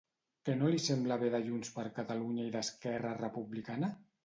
Què no li sembla bé de Junts per Catalunya i d'Esquerra Republicana?